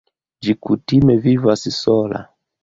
Ĝi kutime vivas sola.